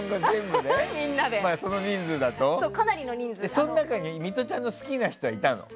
その中にミトちゃんの好きな人はいたの？